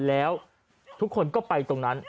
แล้วทุกคนก็ไปตรงนั้น